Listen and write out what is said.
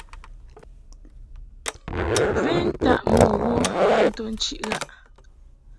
Ven taʼ mo wo nto nchiʼ ghaʼ.